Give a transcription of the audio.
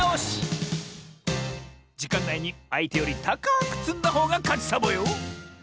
じかんないにあいてよりたかくつんだほうがかちサボよ！